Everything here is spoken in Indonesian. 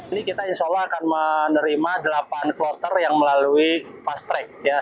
ini kita insya allah akan menerima delapan kloter yang melalui pas track